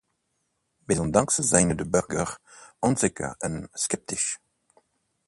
Desondanks zijn de burgers onzeker en sceptisch.